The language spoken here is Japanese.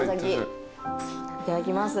いただきます。